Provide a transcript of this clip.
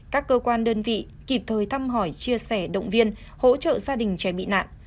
các cơ quan đơn vị kịp thời thăm hỏi chia sẻ động viên hỗ trợ gia đình trẻ bị nạn